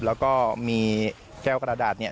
แล้วก็มีแก้วกระดาษ๑ใบ